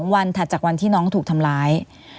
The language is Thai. วันถัดจากวันที่น้องถูกทำร้าย